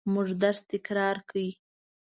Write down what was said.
موږ درس تکرار کړ.